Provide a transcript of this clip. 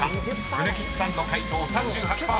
［米吉さんの解答３８％。